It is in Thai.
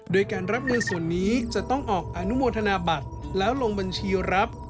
โดยการรับเงินส่วนนี้จะต้องออกอนุโมทนาบัตรแล้วลงบัญชีรับ